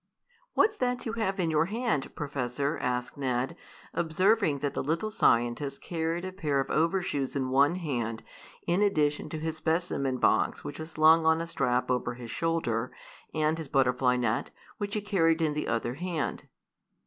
"What's that you have in your hand, Professor?" asked Ned, observing that the little scientist carried a pair of overshoes in one hand in addition to his specimen box which was slung on a strap over his shoulder, and his butterfly net, which he carried in the other hand.